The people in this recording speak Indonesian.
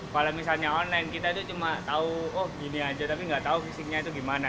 kalau misalnya online kita itu cuma tahu oh gini aja tapi nggak tahu fisiknya itu gimana